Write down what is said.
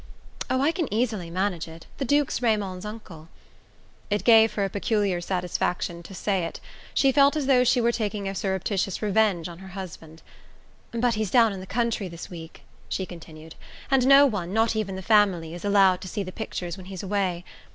"Oh, I can easily manage it: the Duke's Raymond's uncle." It gave her a peculiar satisfaction to say it: she felt as though she were taking a surreptitious revenge on her husband. "But he's down in the country this week," she continued, "and no one not even the family is allowed to see the pictures when he's away.